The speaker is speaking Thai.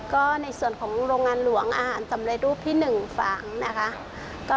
ก็ในส่วนของโรงงานหลวงอาหารสำเร็จรูปที่๑ฝังนะคะ